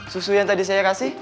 susu yang tadi saya kasih